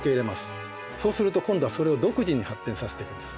そうすると今度はそれを独自に発展させていくんです。